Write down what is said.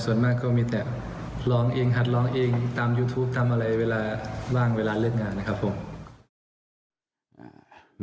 ส่วนมากก็มีแต่ร้องเองหัดร้องเองตามยูทูปตามอะไรเวลาว่างเวลาเลิกงานนะครับผม